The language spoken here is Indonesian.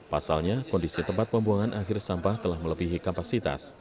pasalnya kondisi tempat pembuangan akhir sampah telah melebihi kapasitas